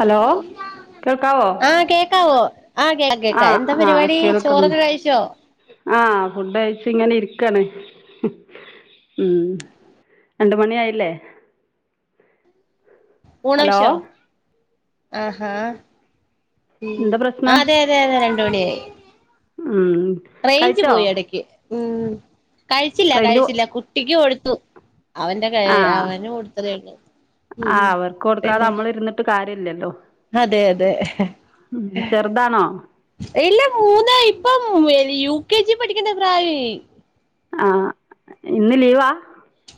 hello കേൾക്കാവോ ആഹ കേക്കാവോ ആഹ കേക്ക കേക്കാ ആഹ് എന്താ പരിപാടി ചോറൊക്കെ കഴിച്ചോ ആഹ ഫുഡ് കഴിച്ച് ഇങ്ങനെ ഇരിക്കണേ ഉം രണ്ട്മണിയായില്ലേ ഊണ് കഴിച്ചോആഹഹാ ഉ എന്താ പ്രശ്നം അതെ അതെ അതെ രണ്ട് മണിയായി ഉം റേഞ്ച് കഴിച്ചോ പോയി ഇടക്ക് ഉം കഴിച്ചില്ല റേഞ്ച് കഴിച്ചില്ല കുട്ടിക്ക് കൊടുത്തു അവന്റെ ക അവന് കൊടുത്തതെഉള്ളു ആ അവർക്ക് കൊടുക്കാതെ നമ്മൾ ഇരുന്നിട്ട് കാര്യില്ലല്ലോ അതെ അതെ ഉ ചെറുതാണോ ഇല്ല മൂന്ന ഇപ്പ യു കെ ജി പഠിക്കണ്ട പ്രായേ ആഹ ഇന്ന് ലീവാ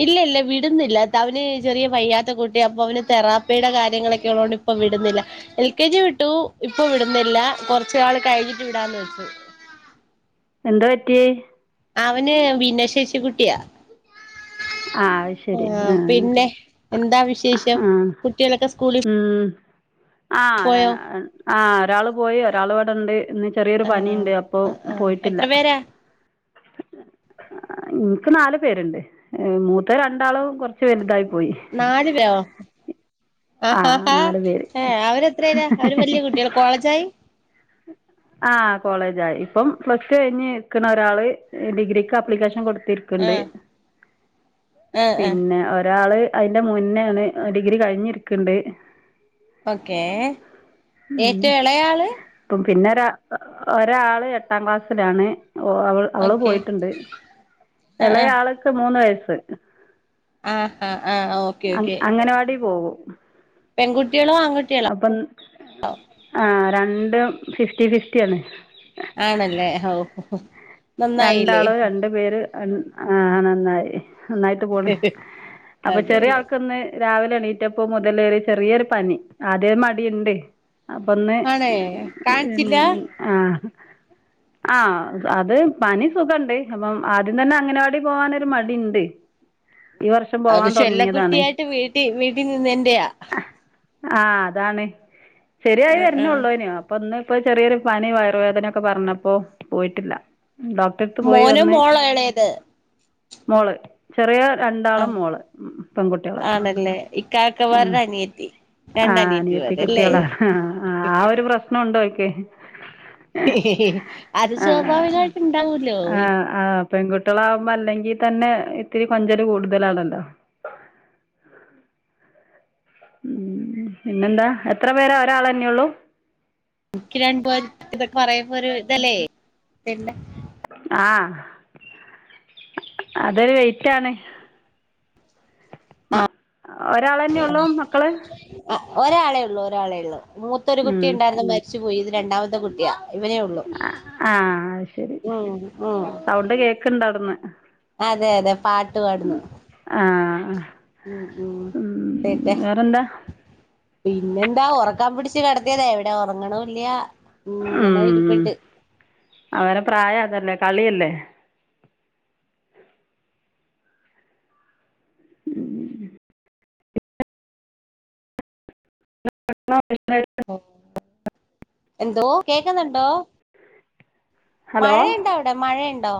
ഇല്ല ഇല്ല വിടുന്നില്ല അവന് ചെറിയ പയ്യാത്ത കുട്ടി അപ്പൊ അവന് തെറാപ്പിയുടെ കാര്യങ്ങളൊക്കെ ഉള്ളതുകൊണ്ട് ഇപ്പൊ വിടുന്നത് എൽ കെ ജി വിട്ടു ഇപ്പൊ വിടുന്നില്ല കുറച്ച നാൾ കഴിഞ്ഞിട്ട് വിടാന്ന് വെച്ചു ആഹ എന്താ പറ്റി അവന് ഭന്നശേഷിക്കുട്ടിയാ ആഹ് അത് ശരി ആ ആഹ് പിന്നെ എന്താ വിശേഷം ആഹ് കുട്ടികളൊക്കെ സ്കൂളിൽ ആ പോയോ ആ ഒരാൾ പോയി ഒരാൾ ഇവിടെണ്ട് ഇന്ന് ചെറിയൊരു ആണോ പണിയുണ്ട് അപ്പൊ ആ ആ പോയിട്ടില്ല എത്ര പേരാ നിനിക്ക് നാലു പേരുണ്ട് മൂത്ത രണ്ടാളും കുറച്ച് വലുതായി പോയി നാല് വോ ആ ആ ആഹ് ഹ നാല് പേര് ഏ അവര് എത്രേല്ല അവര് വല്യ കുട്ടികൾ കോളേജായി അ ആ കോളേജആായി ഇപ്പം പ്ലസ് കഴിഞ്ഞ് നിക്കുന്ന ഒരാള് ഡിഗ്രിക്ക് അപ്ലിക്കേഷൻ കൊടു ആ തിർക്കണ്ട് ആ ആ പിന്നെ ഒരാള് അതിന്റെ മുന്നോണ് ഡിഗ്രി കഴിഞ്ഞിരിക്കണ്ട് ഓക്കേ ഉം ഏറ്റവും ഇളയാള് ഇപ്പം പിന്നെ ഒരാ ഒരാള് എട്ടാം ക്ലാസ്സിലാണ് ഓ അവ അവള് ഓക്കെ പോയിട്ടുണ്ട് ആ ഇളയാളൊക്കെ മൂന്ന് വയസ് ആഹ ആഹ ആ ഓക്കേ ഓക്കെ അംഗനവാടി പോകും പെൺകുട്ടികളോ ആൺകുട്ടികളോ അപ്പം ആ രണ്ടും ഫിഫ്റ്റി ഫിഫ്റ്റി ആന്ന് ആണല്ലേ നന്നായില്ലേ രണ്ടാളും രണ്ടു പേര് ആ നന്നായി നന്നായിട്ട് പോണ അപ്പൊ ചെറിയ അതെല്ലേ ആൾക്കൊന്ന് രാവിലെ എണീറ്റപ്പ മുതലേ ചെറിയൊരു പനി ആദ്യേ മടിണ്ട് അപ്പൊ ആണേ കാണിച്ചില്ല ഇന്ന് ആ ആ അത് പനി സുഖുണ്ട് അപ്പം ആദ്യം തന്നെ അങ്ങനെവാടി പോകാനൊരു മടി ഉണ്ട് അത് ചെല്ല കുട്ടിയായിട്ട് വീട്ടിൽ വീട്ടിൽ നിന്ന എന്റെയാ ആ അതാണ് ശരിയായി ആഹ് ആഹ് വരുന്നള്ളൂ അനോ അപ്പൊ ഒന്ന് ഇപ്പൊ ചെറിയൊരു പനി വയറുവേദനയൊക്കെ പറഞ്ഞപ്പോ പോയിട്ടില്ല ഡോക്ടറെടുത്ത് പോയി മോനോ വന്ന് മോളോ എളയത് മോള് ചെറിയ രണ്ടാള് ആഹ് മോള് പെൺകുട്ടികള് ആണല്ലേ ആ ഇക്കാക്കമാരുടെ അനിയത്തി ആഹ അനിയത്തി രണ്ടനിയത്തിമാരല്ലേ കുട്ടികളാ ആ ആ ഒരു പ്രശ്നം ഉണ്ടോക്കെ അത് സ്വാഭാവികമായിട്ട് ഇണ്ടാവൂലോ ആ ആ പെൺകുട്ടികള ആകുമ്പോ അല്ലെങ്കി തന്നെ ഇത്തിരി കൊഞ്ചല് കൂടുതലാണല്ലോ അം ഉ പിന്നെന്താ എത്ര പേരെ ഒരാളെന്നെയ ഉള്ളു എക്ക് രണ്ടപ ഇതൊക്കെ പറയുമ്പോ ഒരു ഇതല്ലേ പിന്നെ ആഹ അതൊരു വെയിറ്റ് ആണ് ആ മ ഒരാൾ തന്നെ ഉള്ളൂ മക്കള് ഒരാളേ ഉള്ളു ഒരാളെ ഉള്ളൂ മൂത്തൊരു കുട്ടി ഉം ഉണ്ടായിരുന്നു മരിച്ചു പോയി ഇത് രണ്ടാമത്തെ കുട്ടിയാ ഇവനേ ഉള്ളു ആഹ ശരി ഉം ഉം സൗണ്ട് കേക്കണ്ട അവിടുന്ന് അതെ അതെ പാട്ട് പാടന്ന് ആ ഉ ഉം ഉട്ടെ വേറെന്താ പിന്നെന്താ ഉറ കൻ പിടിച്ചച്ച് കിടതിയത എവിടെ ഉറങ്ങണ് ഇല്ല്യ ഉം അവന പ്രായം അതല്ലേ കളിയല്ലേ ഉ എന്തോ കേക്കുന്നുണ്ടോ ഹലോ മഴയുണ്ടോ അവിടെ മഴയുണ്ടോ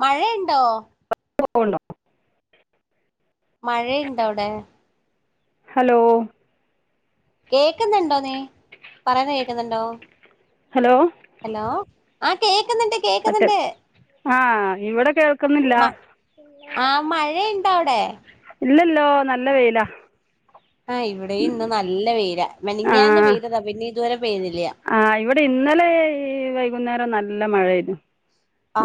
മഴയുണ്ടോ പോണോ മഴയുണ്ടോ അവിടെ ഹലോ കേക്കുന്നുണ്ടോ നീ പറയന്ന് കേക്കുന്നുണ്ടോ ഹലോ ഹലോ ആഹ കേക്കുന്നുണ്ട് മറ്റ കേക്കുന്നുണ്ട് ആ ഇവിടെ കേ മ ആ മഴയുണ്ട അവിടെ ഇല്ലല്ലോ നല്ല വെയിലാ ആഹ് ഇവിടെ ഇന്ന് നല്ല വേല ആ മനിങ്ങന്ന് പെയ്തതാ പിന്നെ ഇതുവരെ പെയ്തില്ല ആ ഇവിടെ ഇന്നലെ ഈ വൈകുന്നേരം നല്ല മഴ ആരുന്നു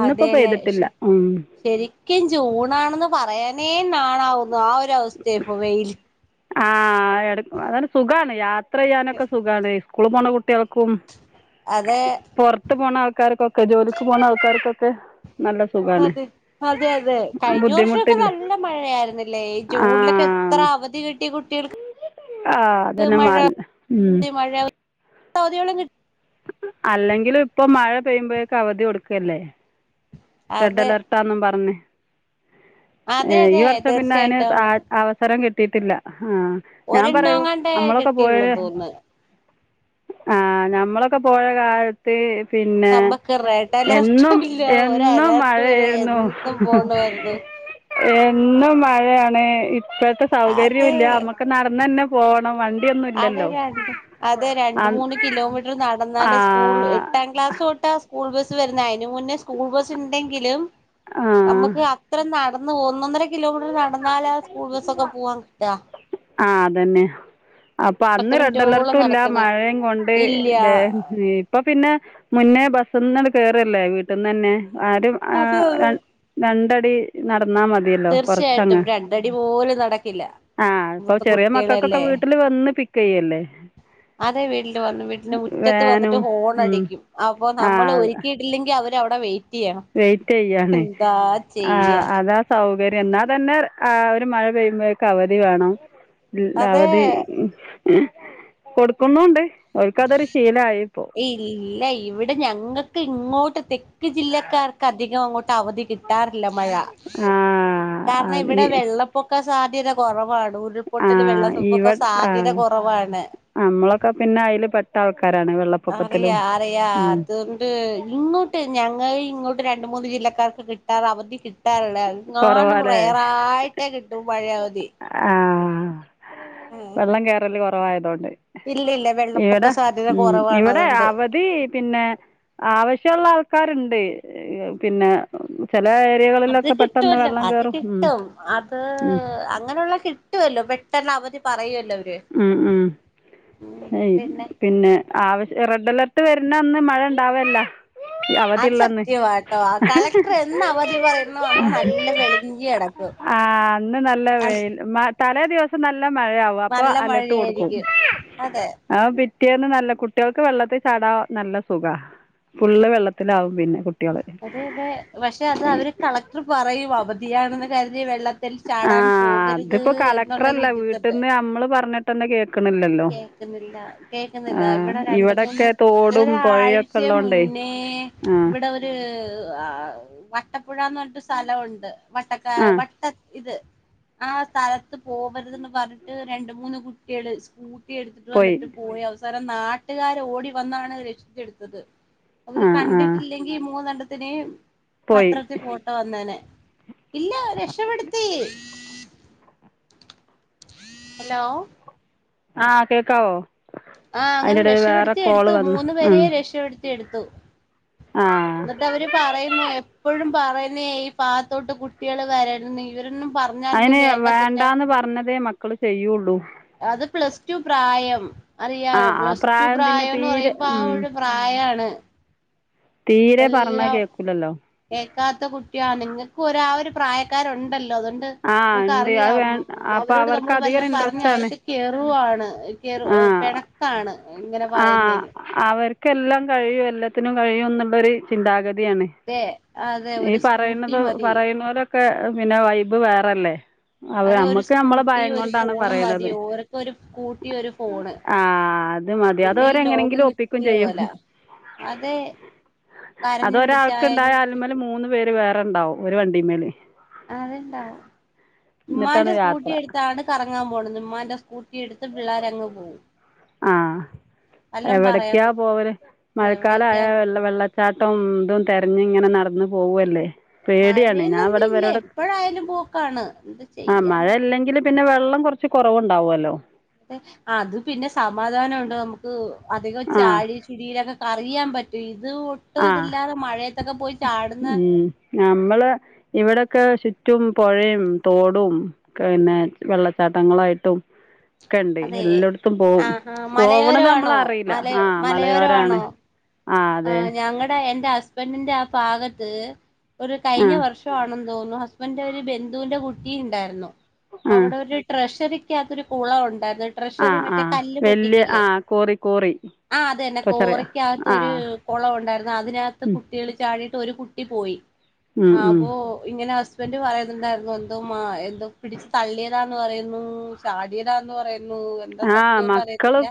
അതെല്ലേ ശരിക്കും ജൂൺ നാണെന്ന് പറയാനേ നാണാവുന്നു ആ ഒരു അവസ്ഥയപ്പൊ വെൽ ആ അങ്ങെ സുഖ യാത്ര ചെയ്യാനൊക്കെ സുഖാണ് സ്കൂൾ പോട്ട കുട്ടികൾക്കും അതെ പുറത്ത് പോണ ആൾക്കാർക്കൊക്കെ ജോലിക്ക് പോണ ആൾക്കാർക്കൊക്കെ നല്ല സുഖമാണ് അതെ അതെ അതെ കഴിഞ്ഞ വർഷൊക്കെ ബുദ്ധിമുട്ടില്ല നല്ല മഴ ആായിരുന്നില്ലേ ഈ ആ ജൂണിലൊക്കെ ത്രാവതി കിട്ടി ആ കുട്ടികൾക്ക് അതന്നെ മഴ മ ഉം മഴള കിട്ട അല്ലെങ്കിലും ഇപ്പൊ മഴ പെയ്യുമ്പോഴേക്കെ അവധി കൊടുക്കല്ലേ റഡ് അതെ അലർട്ടാന്നും പറഞ്ഞേ ഏ അതെ ഈ അതെ വർഷം പിന്നെ അതിന് തീർച്ചയായിട്ടും അവിടെ അവസരം കിട്ടിയിട്ടില്ല ആഹ ഞാൻ ഒരെണ്ണം പറയൂ എങ്ങാണ്ടേ നമ്മളൊക്കെ കിട്ടിയുള്ളൂ പോയല് തോന്നുന്നു ആഹ ഞമ്മളൊക്കെ പോയ കാലത്ത് പിന്നെ നമ്മക്ക് റെഡ് എന്നും അലർട്ടും ഇല്ല ഒരു എന്നും അലർട്ടും ഇല്ല മഴയായിരുന്നു എന്നും പോണമായിരുന്നു എന്നും മഴയാണ് ഇപ്പോഴത്തെ അത് സൗകര്യം ഇല്ല നമ്മുക്ക് നടന്ന തന്നെ പോണം വ അതെ രണ്ട് അതെ രണ്ട് മൂന്ന് കിലോമീറ്റർ നാ ആ നടന്നാല് സ്കൂൾ നമുക്ക് ആ അത്രം നടന്ന് ഒന്നന്നര കിലോമീറ്റർ നടന്നാല സ്കൂൾ ബസ്സ ഒക്കെ പോവാൻ കിട്ടാ ആ അതന്നെ അപ്പൊ അന്ന് പത്ത് റെഡ് അലർട്ടും മിനിറ്റോളം ഇല്ല നടക്കണം മഴയും കൊണ്ട് ഇല്ല ബേ ഇപ്പ പിന്നെ മുന്നേ ബസന്ന കേയറല്ലേ വീട്ടിൽന്ന് തന്നെ ആരും ആ അതെ അതെ രണ്ട ടി നടന്നാ മതിയല്ലോ ച്ചയായിട്ടും കൊറച്ചങ്ങ് രണ്ടടി പോലും നടക്കില്ല ആ ഇപ്പൊ ഇവിടുത്തെ ചെറിയ മക്കൾക്കൊക്കെ കുട്ടികളല്ലേ വീട്ടില് വന്ന് പിക്ക് ചെയ്യല്ലേ അതെ വീട്ടു വന്നു വീട്ടന് വാനും മുറ്റത്ത് ഉം ഹോണടിക്കും അപ്പൊ നമ്മൾ ആ ഒരുക്കിയിട്ടില്ലെങ്കിൽ അവര് ന്റെ എവിടാ വേ വെയിറ്റ് ചെയ്യാണ്ആ ചെയ്യാ അതാ സൗകര്യം ന്നാ തന്നെ ആ ഒരു മഴ പെയ്യുമ്പോഴേക്ക അവധി വേണം ഇ ന്ന അതെ അവതി കൊടുക്കുന്നുണ്ട് ഒക്ക്തൊരു ശീലയി ഇപ്പോ ഇല്ല ഇവിടെ ഞങ്ങൾക്ക് ഇങ്ങോട്ട് തെക്ക് ജില്ലക്കാർക്ക് അധികം അങ്ങോട്ട് അവധി കിട്ട കിട്ടാറില്ല മഴ ആ കാരണം അത് ഇവിടെ വെള്ളപ്പൊക്ക സാധ്യത കുറവാണ് ആ ഉരുൾപൊട്ടൽ വെള്ളസൊപ്പൊക്കെ ഇവിടെ ആ സാധ്യത കുറവാണ് നമ്മളൊക്കെ പിന്നെ അതിൽ പെട്ട ആൾക്കാരാണ് അറിയ വെള്ളപ്പൊക്കത്തിലും അറിയ ഉം അതുകണ്ട് ഇങ്ങോട്ട് ഞങ്ങൾ ഇങ്ങോട്ട് രണ്ട് മൂന്ന് ജില്ലക്കാർക്ക് കിട്ടാറ് അവധി കിട്ടാറ്ണ്ട് ങ്ങാനും കൊറവാല്ലേ റയറായിട്ടേ കിട്ടും പഴയയാ അവധി ആഹ വെള്ളം കേറല് കുറവായതുകൊണ്ട് ഇല്ല ഇല്ല ഇവിടെ വെള്ളപ്പൊക്ക സാധ്യത ഉം കുറവാണ് ഇവിടെ അതുകൊണ്ട് അവധി പിന്നെ ആവശ്യമുള്ള ആൾക്കാരുണ്ട് [unintelligible] പിന്നെ അത് ഏരിയകളിലൊക്കെ പെട്ടെന്ന് കിട്ടുല്ലോ വെള്ളം അത് കേറും ഉം കിട്ടും അത് ഉം അങ്ങനെയുള്ള കിട്ടുല്ലോ പെട്ടന്ന് അവര് ഉം ഉംയ് പിന്നെ ആവശ്യ റെഡ് അലർട്ട് ട്ട് വരുന്ന ന്ന് മഴ ഉണ്ടാവല്ല ഈ അത് അവധിയുള്ളന്ന് സത്യമാട്ടോ ആ കളക്ടർ എന്ന് അവധി പറയുന്നു അന്ന് നല്ല വെളിഞ്ഞി കടക്കും ആ അന്ന് നല്ല വെയിൽ മ തലേ ദിവസം നല്ല മഴയാവും അപ്പൊ നല്ല അലട്ട് കൊടുക്കും മഴയായിരിക്കും അതെ ആപി പിറ്റേന്ന് നല്ല കുട്ടികൾക്ക് വെള്ളത്തിൽ ചാടാൻ നല്ല സുഖ ഫുള്ള് വെള്ളത്തിലാവും പിന്നെ കുട്ടികള് അതെ അതെ പക്ഷെ അത് അവര് കളക്ടർ പറയും അവധിയാണെന്ന് കരുതി വെള്ളത്തി ത്തിൽ ചാടാൻ ആഹ് പോകരുത് അതിപ്പോ എന്നുള്ളരു കളക്ടറല്ല ഇതിത്തണ്ട് വീട്ടിന്ന് നമ്മള് പറഞ്ഞിട്ടന്നെ കേക്കണില്ലല്ലോ കേക്കുന്നില്ല ആ കേക്കുന്നില്ല ഇവിടെ രണ്ട് മൂന്ന് ഇവിടെയൊക്കെ തോടും ഒരാഴ്ച പുഴയൊക്കെ ഉള്ളതുകൊണ്ടേ മുന്നേ പിന്നെ ആ ഇവിടെ ഒരു വട്ടപ്പുഴന്ന് പ സ്ഥലണ്ട് വട്ടക്ക ആ വട്ട ഇത് ആ സ്ഥലത്ത് പോവരുത്ന്ന് പറഞ്ഞിട്ട് രണ്ട് മൂന്ന് കുട്ടികള് സ്കൂ കുത്തി ഒലിച്ചു വന്നിട്ട് പോയി അവസരം നാട്ടുകാർ ഓടി വന്നാണ് രക്ഷിച്ച എടുത്തത് അവര് ആ ആ കണ്ടിട്ടില്ലെങ്കി മൂന്നെണ്ണ്ടത്തിനെയയും പോയി പത്രത്തിൽ ഫോട്ടോ വന്നേനെ ഇല്ല രക്ഷപ്പെടുത്തി ഹലോ ആ കേക്കാവോ ആ അങ്ങനെ രക്ഷപ്പെടുത്തി എടുത്തു വന്നു മൂന്നു പേരേ ഉം രക്ഷപ്പെെടുത്തി എടുത്തു ആ എന്നിട്ട് അവര് പറയുന്നു എപ്പോഴും പറയുന്ന ഈ പാത്തോട്ട് കുട്ടികൾ വരരുന്നു ഇവരൊന്നും പറഞ്ഞലൊന്നും അതിന് കേക്കത്തില്ല വേണ്ടാന്ന് പറഞ്ഞതേ മക്കൾ ചെയ്യുള്ളൂ അത് പ്ലസ് ടു പ്രായം ആ അറിയാലോ ആ പ്ലസ് ടു പ്രായം പിന്നെ പ്രായംന്ന് തീരെ പറയുമ്പ ആ ഉം ഒരു പ്രായമാണ് തീരെ പറഞ്ഞ കേക്കൂലല്ലോ ക്കാത്ത കുട്ടിയാ നിങ്ങൾക്ക് ഒരു അ പ്രായക്കാർ ഉണ്ടല്ലോ അതൊണ്ട് ആ നമുക്ക ഉണ്ട് അത് വേ അറിയാം അപ്പം അവരോട് അവർക്ക് നമ്മൾ വല്ല പറഞ്ഞഞ് അവർക്ക് കകേറുവാണ് ആഹ ഇങ്ങനെ ആ പറയുന്നേന് അവർക്കെല്ലാം കഴിയും എല്ലാത്തിനും കഴിയും എന്നുള്ളരു ചിന്താഗതിയാണ് അതെ അതെ ഈ ഒരു സ്കൂട്ടി പറയുന്നത മതി പറയുന്ന പോലൊക്കെ പിന്നെ വൈബ് വേറെല്ലേ അതെ ഒരു സ്കൂട്ടി ഒരു ഫോണും പറയണത് മതിയോ ഓർക്ക ഒരു സ്ൂ കിട്ടിയ ഒരു ഫോണ് ആ അത് മതി പിന്നെ ഈ ലോകം അതവരെങ്ങനെങ്കിലും ഒപ്പിക്കും കിട്ടിയോ ചെയ്യും അല അതെ കരഞ്ഞു അതൊരാൾക്ക്ണ്ടായ വിളിച്ചായാലും അല മേൽ മൂന്ന് പേര് വേറെണ്ടാവും ഒരു വണ്ടി മേൽ അത്ണ്ടാവും എന്നിട്ടാണ് ഉമ്മാന്റെ സ്കൂട്ടി യാത്ര എടുത്താണ് കറങ്ങാൻ പോണുന്നത് ഉമ്മാന്റെ സ്കൂട്ടി എടുത്ത് പിള്ളോര അങ്ങ് പോകവും ആഹ എവിടക്കെയാ പറ്റോ പോവരൽ എവിടേക്കാ മഴക്കാലയാ പോ വെള്ള വെള്ളച്ചാട്ടം ഇതും തിരഞ്ഞ് ഇങ്ങനെ നടന്ന പോവല്ലേ പേടിയാണ് ഞാൻ മഴയെന്നൊന്നും ഇവിടെ ഇല്ല ഇവരോട് എപ്പോഴായാലും പോക്കാണ് എന്ത് ആ മഴ ചെയ്യാന ഇല്ലെങ്കിൽ പിന്നെ വെള്ളം കുറച്ച് കുറവുണ്ടാവുമല്ലോ അതെ അത് പിന്നെ സമാധാനുണ്ട് നമുക്ക് അധികം ചാടി ചുടിയിലൊക്കെ കറിയാൻ പറ്റും ഒട്ടും ആഹ ഇതില്ലാതെ മഴയത്തൊക്കെ പോയി ചാടുന്ന ഉ നമ്മള് ഇവിടെൊക്കെ ചുറ്റും പുഴയും തോടും പിന്നെ വെള്ളച്ചാട്ടങ്ങളായിട്ടും ഒക്കണ്ട് അതെ എല്ലായിടത്തും പോവും ആഹാ പോവണ നമ്മള മലയോരമാണോ അറിയില്ല മല ആഹ മലയോരാണ് മലയോരമാണോ ആ അതെ ടെ എന്റെ ഹസ്ബൻഡിന്റെ ആ ഭാഗത്ത് ഒരു കഴിഞ്ഞ ആഹ് വർഷ ആണെന്ന് തോന്നുന്നു ന്റെ ഒരു ബന്ധുവിന്റെ കുട്ടി ഉണ്ടായിരുന്നു അ അവിടെ ആഹ് ഒരു ട്രഷറിക്കകത്തൊരു കുളം ഉണ്ടായിരുന്നു ആ ട്രഷറർ ആ കല്ല് വലിയ പൊട്ടിക്കി ല്ലേ ആ കോറി കോറി ട്രഷറിയാ ആ കുളവ ഉണ്ടായിരുന്നു അതിനകത്ത് ഉം കുട്ടികൾ ചാടിട്ട് ഒരു കുട്ടി പോയി ഉം ആ ഉം അപ്പൊ ഇങ്ങനെ ഹസ്ബൻഡ് പറയുന്നുണ്ടായിരുന്നു എന്തോ ആ എന്തോ പിടിച്ചു തള്ളിയതാ പറാടലന്ന് പറയ ആ് മക്കള്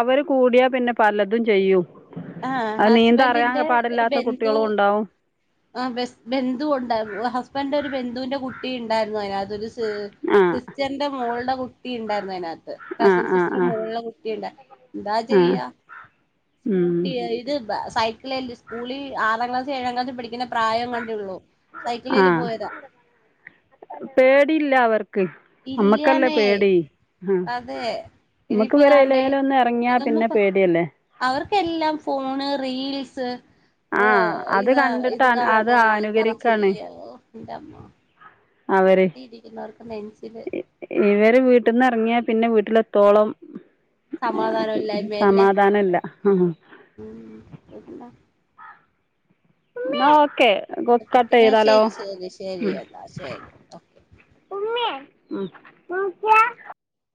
അവര് കൂടിയാ പിന്നെ പലതും ചെയ്യും ആഹ അത് നീന്ത അറിയാൻ ഹസ്ബൻറിിന്റെ ഒരു പാടില്ലാത്ത ബന്ധു കുട്ടികളും ഉണ്ടാവും ആ ബന്ധുണ്ട് ഹസ്ബൻഡ ഒരു ബന്ധു ബിന്ദുവിന്റെ കുട്ടി ഉണ്ടായിരുന്നു അതിനകത്ത്രു ആ സിസ്റ്ററിന്റെ മോളുടെ കുട്ടി ഉണ്ടായിരുന്നു അതിനകത്ത് ആ കസിൻ ആ സിസ്റ്റർ ആ മോനുള്ള കുട്ടിയണ്ട് എന്താ ആ ചെയ്യ ഉം സ്കൂട്ടി ഇത് സൈക്കിള സ്കൂളിൽ ആറാം ക്ലാസ്സ ഏഴാം ക്ലാസ് പഠിക്കുന്ന പ്രായം കണ്ടുള്ളു ആ സൈക്കിളേൽ പോയതാ പേടിയില്ല അവർക്ക് നമ്മക്കല്ലേ ഇല്ലാനേ പേടി ആ അതെ നമ്മക്ക് ഇതിപ്പോൊ ഇവരെ താണ്ടേ എയിലേലും ഒന്ന് ഇറങ്ങിയാ ഇതൊന്നും പിന്നെ പേടിയല്ലേ അവർ എല്ലാം ഫോണ് റീൽസ് ആ അത് ഇത് കണ്ടിട്ട് ഇത് അ അത് കാണുക ഇങ്ങനെ അനുകരിക്കാണ് ചെയ്യ എന്റെമ്മ അവര് ഇവര് വീട്ടിൽന്ന് ഇറങ്ങിയാ പിന്നെ വീട്ടിൽ എത്തോളം സമാധാനം ഇല്ലായ്മയല്ലേ സമാധാന ഇല്ല ആ ഉം പിന്നെ ആ ഓക്കെ കട്ട് കുട്ട ചെയ്താലോ ശരി ശരി ശരി അതാ ശരി ൂക്ക [unintelligible]